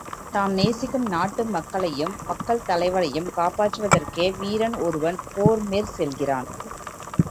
தாம் நேசிக்கும் நாட்டு மக்களையும், மக்கள் தலைவனையும் காப்பாற்றுவதற்கே வீரன் ஒருவன் போர்மேற் செல்கிறான்.